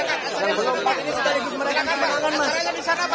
mas gibran ini sedaligus mereka yang perayaan mas